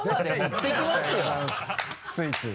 ついつい。